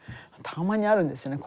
たまにあるんですよね